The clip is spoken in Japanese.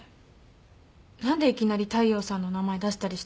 何でいきなり大陽さんの名前出したりしたんですか？